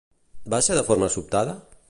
Va ser de forma sobtada?